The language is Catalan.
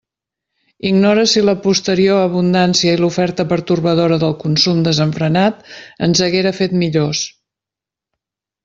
Ignore si la posterior abundància i l'oferta pertorbadora del consum desenfrenat ens haguera fet millors.